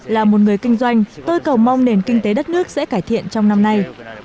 là một người kinh doanh tôi cầu mong nền kinh tế đất nước sẽ cải thiện trong năm nay